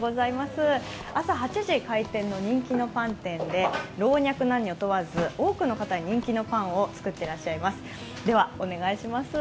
朝８時開店の人気のパン店で老若男女問わず多くの方に人気のパンを作ってらっしゃいます